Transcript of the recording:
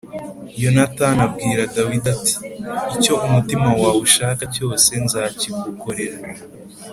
Yonatani abwira Dawidi ati “Icyo umutima wawe ushaka cyose nzakigukorera.”